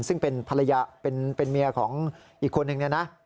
ซึ่งเป็นเมียของอีกคนนึงนะ